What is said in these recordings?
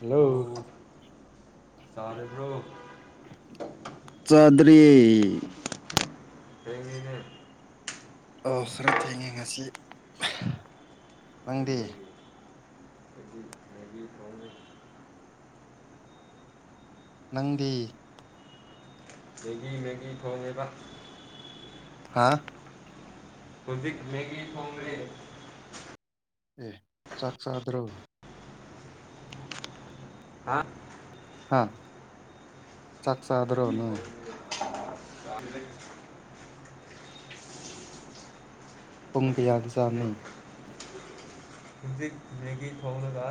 hello ꯇꯥꯔꯦꯕ꯭ꯔꯣ ꯆꯠꯗꯔꯤ ꯊꯥꯡꯉꯥꯅꯦ ꯑꯣ ꯈꯔ ꯊꯦꯡꯉꯦ ꯉꯁꯤ ꯅꯪꯗꯤ ꯀꯔꯤꯒꯤ ꯑꯩꯗꯤ ꯃꯦꯒꯤ ꯊꯣꯡꯉꯦ ꯅꯪꯗꯤ ꯃꯦꯒꯤ ꯃꯦꯒꯤ ꯊꯣꯡꯉꯦꯕ ꯍꯥ ꯍꯧꯖꯤꯛ ꯃꯦꯒꯤ ꯊꯣꯡꯔꯤ ꯑꯦ ꯆꯥꯛ ꯆ ꯑꯗꯨ꯭ꯔꯣ ꯍꯥ ꯍꯥ ꯆꯥꯛꯁꯗ꯭ꯔꯣ ꯃꯦꯒꯤ ꯅꯦ ꯊꯣꯡꯉꯦ [unintelligible] ꯄꯨꯡ ꯍꯧꯖꯤꯛ ꯀꯌꯥꯒꯤ ꯆꯥꯅꯤ ꯃꯁꯤ ꯃꯦꯒ ꯊꯥꯎꯅꯒ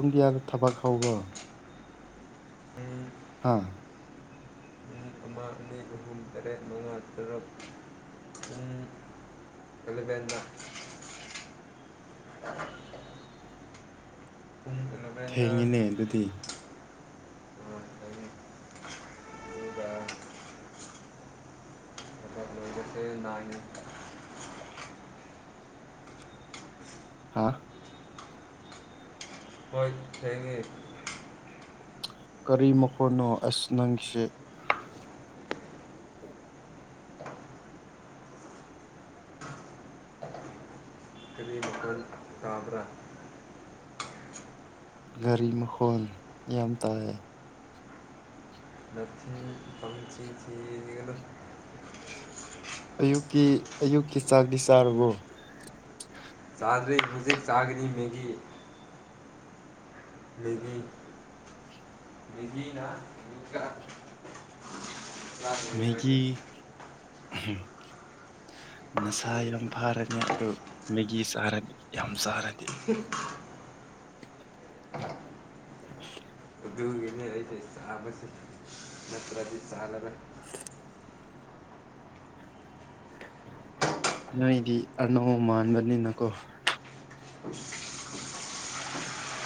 ꯄꯨꯡꯗꯤꯌꯥꯗ ꯊꯕꯛ ꯍꯧꯈ꯭ꯔꯣ ꯄꯨꯡ ꯄꯨꯡ ꯍꯥ ꯑꯃ ꯑꯅꯤ ꯑꯍꯨꯝ ꯇꯔꯦꯠ ꯃꯉꯥ ꯇꯔꯨꯛ ꯑꯝ ꯀꯂꯕꯦꯟꯗ ꯄꯨꯡ ꯑꯦꯂꯚꯦꯟꯗ ꯊꯦꯡꯉꯤꯅꯦ ꯑꯗꯨꯗꯤ ꯑꯥ ꯊꯦꯡꯉꯦ ꯑꯗꯨꯒ ꯂꯥꯏꯕꯁ ꯅꯥꯟ ꯍꯥꯥ ꯍꯣꯏ ꯊꯥꯡꯉꯦ ꯀꯔꯤ ꯃꯈꯣꯟꯅꯣ ꯑꯁ ꯅꯪꯒꯤꯁꯦ ꯀꯔꯤ ꯃꯈꯣꯜ ꯇꯥꯕ꯭ꯔꯥ ꯒꯥꯔꯤ ꯃꯈꯣꯟ ꯌꯥꯝ ꯇꯥꯏ [unintelligible] ꯑꯌꯨꯛꯀꯤ ꯑꯌꯨꯛꯀꯤ ꯆꯥꯛꯗꯤ ꯆꯥꯔꯕꯣ ꯆꯥꯗ ꯍꯧꯨꯖꯤꯛ ꯆꯥꯒꯅꯤ ꯃꯒꯤ ꯃꯦꯒꯤ ꯃꯦꯒꯤꯅ [unintelligible] ꯀ꯭ꯂꯥꯁ ꯃꯦꯒꯤ ꯂꯣꯏꯗꯣꯏꯅꯤ ꯅꯁꯥ ꯌꯥꯝ ꯐꯥꯔꯅꯤ ꯑꯗꯨ ꯃꯦꯒꯤ ꯆꯥꯔꯗꯤ ꯌꯥꯝ ꯆꯥꯔꯗꯤ ꯍ [inaudible] ꯎꯗꯒꯤ ꯏꯅꯦ ꯂꯩ ꯑꯥꯕꯁꯤ ꯅꯠꯇ꯭ꯔꯗꯤ ꯆꯅꯒ [inaudible] ꯅꯣꯏꯗꯤ ꯑꯅꯧ ꯃꯥꯟꯕꯅꯤꯅꯀꯣ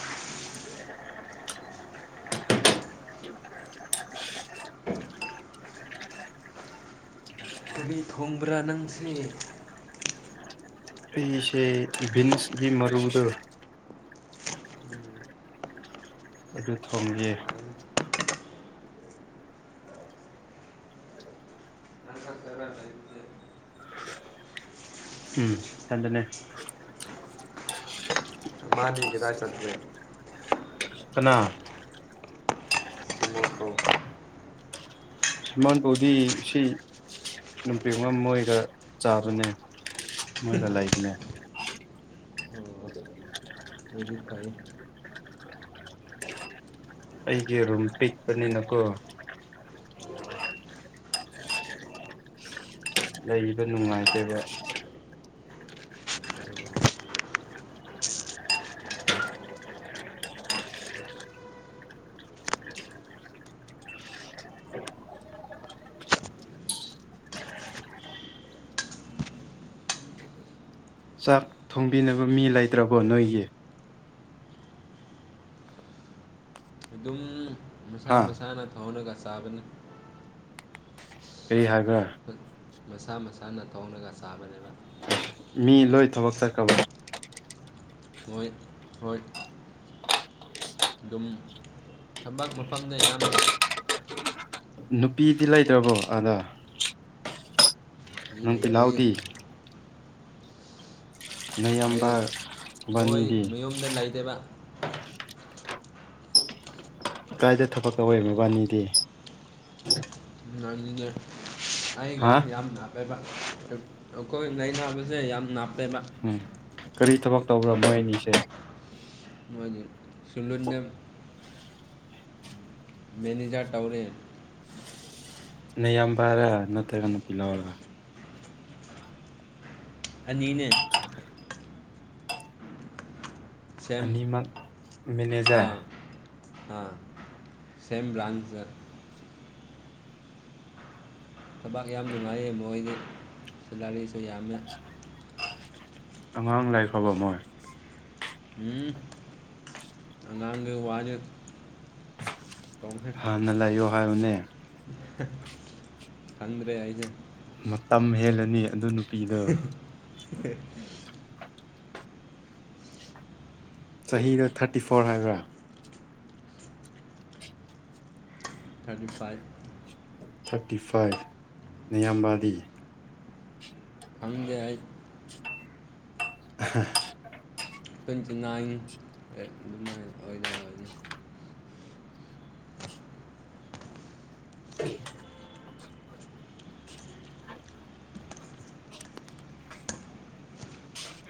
[unintelligible] [unintelligible] ꯀꯔꯤ ꯊꯣꯡꯕ꯭ꯔꯥ ꯅꯪꯁꯦ ꯐꯤꯁꯦ ꯕꯤꯟꯁꯒꯤ ꯃꯔꯨꯗ ꯑꯗꯨ ꯊꯣꯡꯒꯦ ꯍꯥꯎꯋꯦ ꯅꯪ ꯈꯛꯇꯔꯥ ꯂꯩꯕꯁꯦ ꯎꯝ ꯑꯗꯨꯅꯦ ꯅꯕꯥꯅꯤ ꯀꯗꯥꯏ ꯆꯠꯀ‌ꯦ ꯀꯅꯥ ꯑꯃꯥꯗ‌ꯣ ꯑꯃꯥꯗ‌ꯣꯗꯤ ꯁꯤ ꯅꯨꯄꯤ ꯑꯃꯥ ꯃꯣꯏꯒ ꯆꯥꯕꯅꯦ ꯃꯣꯏꯒ ꯥꯂꯩꯕꯥꯅꯦ [unintelligible] ꯑꯗꯨꯗꯤ ꯐꯩ ꯑꯩꯒꯤ ꯔꯨꯝ ꯄꯤꯛ ꯄꯥꯅꯤꯅꯀꯣ ꯂꯩꯕ ꯅꯨꯡꯉꯥꯏꯇꯦꯕꯥ [inaudible] ꯆꯥꯛ ꯊꯣꯡꯕꯤꯅꯕꯥ ꯃꯤ ꯂꯩꯇ꯭ꯔꯥꯕꯣ ꯅꯣꯏꯒꯤ ꯑꯗꯨꯝ ꯃꯁꯥ ꯍꯥ ꯃꯁꯥꯅ ꯊ‌ꯣꯡꯔꯒ ꯆꯥꯕꯅ‌ꯦ ꯀꯔꯤ ꯍꯥꯏꯕ꯭ꯔꯥ ꯃꯁꯥ ꯃꯁꯥꯅ ꯊ‌ꯣꯡꯂꯒꯥ ꯆꯥꯕꯅ‌ꯦ ꯃꯤ ꯂꯣꯏ ꯊꯕꯛ ꯆꯠꯈꯕꯥ ꯍꯣꯏ ꯍꯣꯏ ꯑꯗꯨꯝ ꯊꯕꯛ ꯃꯐꯝꯗ ꯌꯥꯝ ꯅꯨꯄꯤꯗꯤ ꯂꯩꯇ꯭ꯔꯕꯣ ꯑꯗꯥ ꯃꯤ ꯅꯨꯡꯇꯤ ꯂꯩꯇꯦ ꯂꯥꯎꯗꯤ ꯅꯌꯥꯝꯕꯥ ꯑꯩ ꯃꯣꯏ ꯃꯌꯨꯝꯗꯥ ꯂꯩꯗꯦꯕꯥ ꯀꯥꯏꯗ ꯊꯕꯛ ꯇꯧꯋꯦ ꯃꯣꯢꯕꯥꯅꯤꯗꯤ [unintelligible] ꯑꯩꯒ ꯍꯥ ꯍꯤꯌꯥꯝ ꯗꯥ ꯀꯩ ꯕꯥ ꯑꯩꯈꯣꯏ ꯅꯩꯅꯕꯁꯦ ꯌꯥꯝ ꯅꯥꯞꯄ‌ꯦꯕꯥ ꯍꯝ ꯀꯔꯤ ꯊꯕꯛ ꯇꯧꯕ꯭ꯔꯥ ꯃꯣꯏ ꯑꯅꯤꯁꯦ ꯃꯣꯏꯅꯤ ꯊꯨꯂꯨꯅ‌ꯦꯝ ꯃꯦꯅꯦꯖꯥꯔ ꯇꯧꯔꯦ ꯅꯌꯥꯝꯕꯔ ꯅꯠꯇ꯭ꯔꯒꯅ ꯅꯨꯄꯤ ꯂꯧꯔꯒꯥ ꯑꯅꯤꯅꯦ ꯁꯦꯝ ꯑꯅꯤꯃꯛ ꯑꯥ ꯃꯦꯅꯦꯖꯔ ꯑꯥ ꯁꯦꯝ ꯕ꯭ꯔꯥꯟꯁ ꯊꯕꯛ ꯌꯥꯝ ꯅꯨꯡꯉꯥꯏꯌꯦ ꯃꯣꯏꯗꯤ ꯄꯨꯖꯔꯤꯁꯨ ꯌꯥꯝꯃꯦ ꯑꯉꯥꯡ ꯂꯩꯈꯔꯕꯥ ꯃꯣꯏ ꯎꯝ ꯑꯉꯥꯡꯒꯤ ꯋꯥꯗꯤ ꯉꯟꯅꯥ ꯂꯩꯌꯣ ꯍꯥꯏꯕꯅꯦ ꯈꯪꯗ꯭ꯔꯦ ꯑꯩꯖ‌ꯦ ꯃꯇꯝ ꯍꯦꯜꯂꯅꯤ ꯑꯗꯨ ꯅꯨ [unintelligible] ꯆꯍꯤꯗ‌ꯣ ꯊꯥꯔꯇꯤ ꯐꯣꯔ ꯍꯥꯏꯕ꯭ꯔꯥ ꯊꯥꯔꯇꯤ ꯐꯥꯏꯚ ꯊꯥꯔꯇꯤ ꯐꯥꯏꯚ ꯅꯌꯥꯝꯕꯥꯗꯤ ꯈꯪꯗꯦ ꯑꯩ [unintelligible] ꯇ꯭ꯋꯦꯟꯇꯤ ꯅꯥꯏꯟ ꯑ‌ꯦ ꯑꯗꯨꯃꯥꯏ ꯑꯣꯏꯗ ꯕꯅꯤ [unintelligible]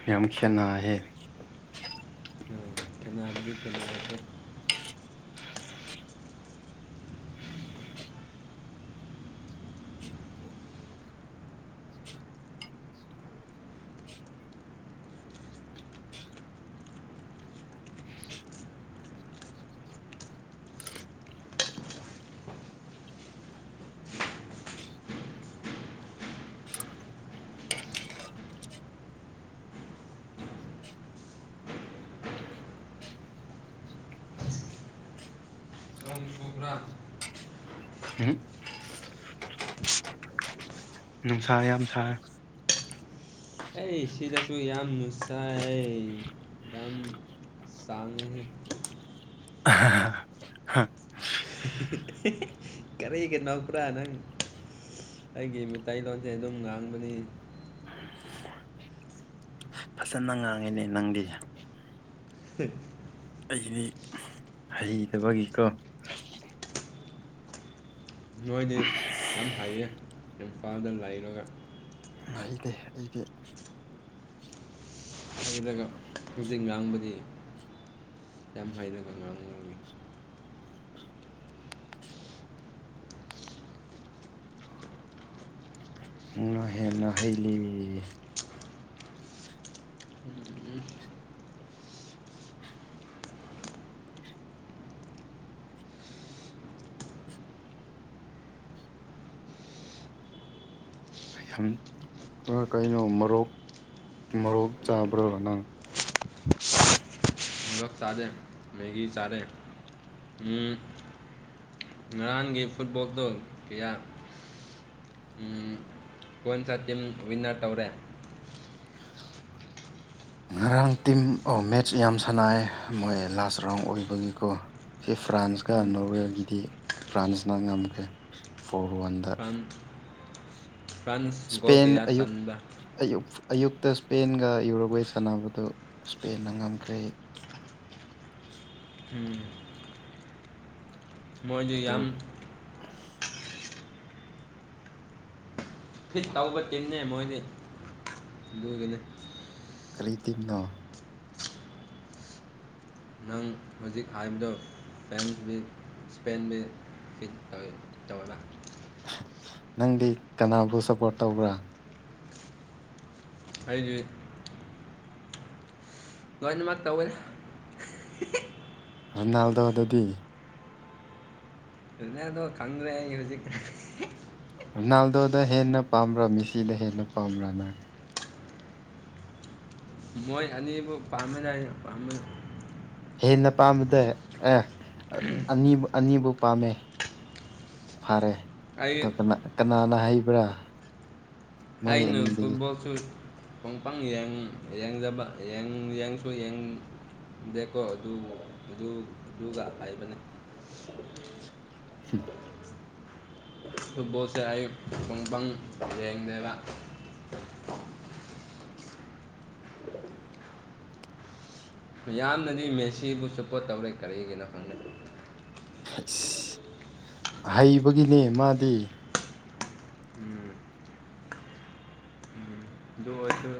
ꯌꯥꯝ ꯈꯦꯠꯅꯍꯦ ꯐꯟꯌꯥꯝꯗꯤ ꯈ‌ꯦꯅꯥꯈꯔꯦ [unintelligible] ꯎꯝ ꯅꯨꯡꯁꯥ ꯌꯥꯝ ꯁꯥꯏ ꯑꯩ ꯁꯤꯗꯁꯨ ꯌꯥꯝꯅ ꯁꯥꯏ ꯌꯥꯝ ꯆꯥꯡꯉꯦꯍꯦ [inaudible] [unintelligible] ꯀꯔꯤꯒꯤ ꯅꯣꯛꯄ꯭ꯔꯥ ꯅꯪ ꯑꯩꯒꯤ ꯃꯤꯇꯩꯂꯣꯟꯁꯦ ꯑꯗꯨꯝ ꯉꯥꯡꯕꯅꯤ ꯐꯖꯅ ꯉꯥꯡꯉꯦꯅꯦ ꯅꯪꯗꯤ [unintelligible] ꯑꯩꯗꯤ ꯍꯩꯇꯕꯒꯤꯀꯣ ꯅꯣꯏꯗꯤ ꯌꯥꯝ ꯍꯩꯔꯦ ꯏꯝꯐꯥꯜꯗ ꯂꯩꯔꯒ ꯍꯩꯇꯦ ꯑꯩꯗꯤ ꯍꯩꯔꯒ ꯍꯧꯖꯤꯛ ꯉꯥꯡꯕꯗꯤ ꯌꯥꯝ ꯍꯩꯔꯒ ꯉꯥꯡ ꯅꯪꯅ ꯍꯦꯟꯅ ꯍꯩꯂꯦ ꯎꯝ ꯁꯝ ꯑ ꯀꯩꯅꯣ ꯃꯣꯔꯣꯛ ꯑꯣꯛ ꯆꯥꯕ꯭ꯔꯣ ꯅꯪ [unintelligible] ꯆꯥꯗꯦ ꯃꯦꯒꯤ ꯆꯥꯔꯦ ꯉꯔꯥꯡꯒꯤ ꯐꯨꯠꯕꯣꯜꯗꯣ ꯀꯌꯥ ꯀꯣꯏꯟ ꯁꯇꯤꯝ ꯋꯤꯟꯅꯔ ꯇꯧꯔꯦ ꯉꯔꯥꯡ ꯇꯤꯝ ꯑꯣ ꯃꯦꯠꯆ ꯌꯥꯝ ꯁꯥꯟꯅꯑꯦ ꯃꯣꯏ ꯂꯥꯁ ꯔꯥꯎꯟ ꯑꯣꯏꯕꯒꯤꯀꯣ ꯁꯤ ꯐ꯭ꯔꯥꯟꯁꯀ ꯅꯣꯔꯋꯦꯒꯤꯗꯤ ꯐ꯭ꯔꯥꯟꯁꯅ ꯉꯝꯈ꯭ꯔꯦ ꯐꯣꯔ ꯋꯥꯟ ꯐ꯭ꯔꯥꯟꯠ ꯁꯄꯦꯟ ꯑꯌꯨꯛ ꯆꯟꯕ ꯑꯌꯨꯛ ꯑꯌꯨꯛꯇ ꯁ꯭ꯄꯦꯟꯒ ꯌꯨꯔꯣꯒ꯭ꯋꯦ ꯁꯥꯟꯅꯕꯗꯨ ꯁꯄꯦꯟꯅ ꯉꯝꯈ꯭ꯔꯦ ꯃꯣꯏꯗꯤ ꯑꯗꯨ ꯌꯥꯝ ꯐꯤꯠ ꯇꯧꯕ ꯇꯤꯝꯅꯦ ꯃꯣꯏꯗꯤ ꯑꯗꯨꯒꯤꯅꯤ ꯀꯔꯤ ꯇꯤꯝꯅꯣ ꯅꯪ ꯍꯧꯖꯤꯛ ꯍꯥꯏꯕꯗꯣ ꯐꯦꯟꯁ ꯕꯤꯛ ꯏꯁꯄꯦꯟꯗꯤ ꯕꯤꯠ ꯇꯧꯋꯦ ꯇꯧꯋꯦꯕꯥ ꯅꯪꯗꯤ ꯀꯅꯥꯕꯨ ꯁꯞꯄꯣꯔꯠ ꯇꯧꯕ꯭ꯔꯥ ꯑꯩꯗꯤ ꯂꯣꯏꯅꯃꯛ ꯇꯧꯋꯦ ꯔꯣꯅꯥꯜꯗꯣꯗꯗꯤ ꯔꯣꯅꯥꯜꯗꯣ ꯀꯪꯗ꯭ꯔꯦ ꯑꯩ ꯍꯧꯖꯤꯛ ꯔꯣꯅꯥꯜꯗꯣꯗ ꯍꯦꯟꯅ ꯄꯥꯝꯕ꯭ꯔꯥ ꯃꯤꯁꯤꯗ ꯍꯦꯟꯅ ꯄꯥꯝꯕ꯭ꯔꯥ ꯅꯪ ꯃꯣꯏ ꯑꯅꯤꯕꯨ ꯄꯥꯝꯃꯦꯗ ꯑꯩ ꯄꯥꯝꯕꯗꯨꯝ ꯍꯦꯟꯅ ꯄꯥꯝꯕꯗꯣ ꯑꯦ ꯑꯥ ꯑꯅꯤꯃꯛ ꯑꯅꯤꯕꯨ ꯄꯥꯝꯃꯦ ꯐꯔꯦ ꯑꯩ ꯑꯗꯨ ꯀꯅꯥ ꯀꯅꯥꯅ ꯍꯩꯕ꯭ꯔꯥ ꯅꯣꯏ ꯑꯩꯅ ꯑꯅꯤꯗꯒꯤ ꯐꯨꯠꯕꯣꯜꯁꯨ [unintelligible] ꯌꯦꯡ ꯌꯦꯡꯗꯕ ꯌꯦꯡ ꯌꯦꯡꯁꯨ ꯌꯦꯡ ꯗꯦꯀꯣ ꯑꯗꯨ ꯑꯗꯨ ꯑꯗꯨꯒ ꯑꯀꯥꯏꯕꯅꯦ [inaudible] ꯐꯨꯠꯕꯣꯜꯁꯦ ꯑꯩꯌꯨꯛ ꯄꯨꯡ ꯄꯪ ꯌꯦꯡꯗꯦꯕ ꯃꯌꯥꯝꯅꯗꯤ ꯃꯦꯁꯤꯕꯨ ꯁꯥꯄꯣꯠ ꯇꯧꯔꯦ ꯀꯔꯤꯒꯤꯅꯣ ꯈꯪꯗꯦ ꯍꯁ ꯍꯩꯕꯒꯤꯅꯦ ꯃꯥꯗꯤ ꯎꯝ ꯗꯨꯑꯣꯏꯁꯨ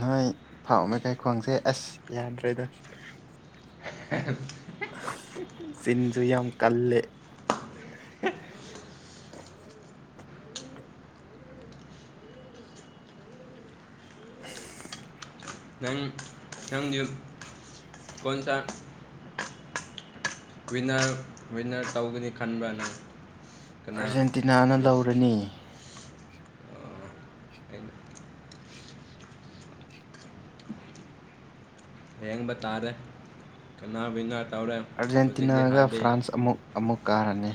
ꯅꯣꯏ ꯐꯥꯎꯅ ꯀꯩ ꯈꯣꯡꯁꯦ ꯑꯁ ꯌꯥꯗ꯭ꯔꯦꯗ [unintelligible] ꯆꯤꯟꯖꯨ ꯌꯥꯝ ꯀꯜꯂꯦ [unintelligible] ꯅꯪ ꯅꯪꯗꯤ ꯀꯣꯟꯁꯥ ꯋꯤꯟꯅꯔ ꯋꯤꯟꯅꯔ ꯇꯧꯒꯅꯤ ꯈꯟꯕ꯭ꯔꯅ ꯑꯥꯔꯖꯦꯟꯇꯤꯅꯥꯅ ꯂꯧꯔꯅꯤ ꯍꯌꯦꯕ ꯇꯥꯔꯦ ꯀꯅꯥ ꯋꯤꯟꯅ ꯇꯧꯔꯦ ꯍꯧꯖꯤꯛꯇꯤ ꯑꯥꯔꯖꯦꯟꯇꯤꯅꯥꯒ ꯍꯥꯏꯕ ꯌꯥꯏ ꯐ꯭ꯔꯥꯟꯁ ꯑꯃꯨꯛ ꯑꯃꯨꯛ ꯀꯥꯔꯅꯤ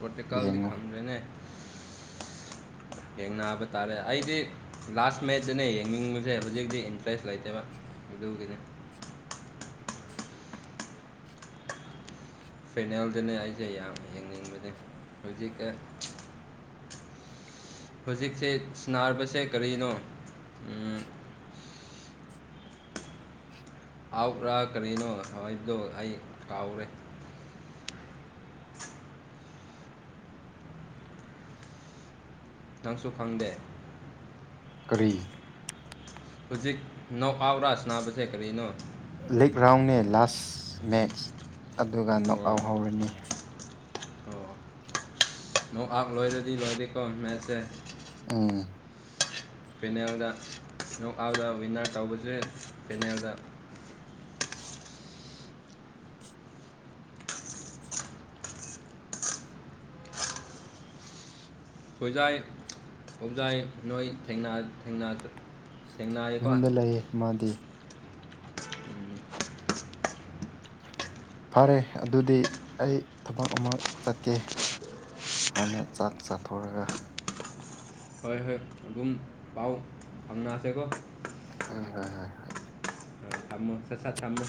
ꯄꯣꯇꯤꯀꯥꯜꯗꯤ ꯌꯦꯡꯉꯨ ꯈꯪꯗ꯭ꯔꯦꯅꯦ ꯌꯦꯡꯅꯕ ꯇꯥꯔꯦ ꯑꯩꯗꯤ ꯂꯥꯁ ꯃꯦꯠꯆꯇꯅ ꯌꯦꯡꯅꯤꯡꯕꯁꯦ ꯍꯧꯖꯤꯛꯇꯤ ꯏꯟꯇꯔꯦꯁ ꯂꯩꯇꯦꯕ ꯑꯗꯨꯒꯤꯅꯤ ꯐꯦꯅꯦꯜꯗꯅ ꯑꯩꯁꯦ ꯌꯥꯝ ꯌꯦꯡꯅꯤꯡꯕꯅꯤ ꯍꯧꯖꯤꯛꯀ ꯍꯧꯖꯤꯛꯁꯦ ꯁꯅꯥꯔꯕꯁꯦ ꯀꯔꯤꯅꯣ ꯑꯥꯎ꯭ꯔꯥ ꯀꯔꯤꯅꯣ ꯍꯥꯏꯕꯗꯣ ꯑꯩ ꯀꯥꯎꯔꯦ ꯅꯪꯁꯨ ꯈꯪꯗꯦ ꯀꯔꯤ ꯍꯧꯖꯤꯛ ꯅꯣꯀꯥꯎꯠꯔ ꯁꯥꯅꯥꯕꯖꯦ ꯀꯔꯤꯅꯣ ꯂꯤꯛ ꯔꯥꯎꯟꯅꯤ ꯂꯥꯁ ꯃꯦꯠꯆ ꯑꯗꯨꯒ ꯅꯣꯛ ꯑꯣ ꯑꯥꯎꯠ ꯍꯧꯔꯅꯤ ꯅꯣꯡ ꯑꯥꯛ ꯂꯣꯏꯔꯗꯤ ꯂꯣꯏꯔꯗꯤꯦꯀꯣ ꯃꯦꯠꯁꯦ ꯎꯝ ꯐꯦꯅꯦꯜꯗ ꯅꯣꯛꯑꯥꯎꯗ ꯋꯤꯟꯅꯔ ꯇꯧꯕꯁꯦ ꯐꯦꯅꯦꯜꯗ ꯊꯣꯏꯖꯥꯏ ꯍꯨꯝꯖꯥꯏ ꯅꯣꯏ ꯊꯦꯡꯅ- ꯊꯦꯡꯅ ꯊꯦꯡꯅꯩꯀꯣ ꯌꯨꯝꯗ ꯂꯩꯌꯦ ꯃꯥꯗꯤ ꯐꯔꯦ ꯑꯗꯨꯗꯤ ꯑꯩ ꯊꯕꯛ ꯑꯃ ꯆꯠꯀꯦ ꯍꯥꯟꯅ ꯆꯥꯛ ꯆꯥꯊꯣꯔꯒ ꯍꯣꯏ ꯍꯣꯏ ꯑꯗꯨꯝ ꯄꯥꯎ ꯐꯪꯅꯁꯦꯀꯣ ꯍ ꯍꯣꯏ ꯍ ꯊꯝꯃꯣ ꯆꯠꯁ ꯊꯝꯃꯣ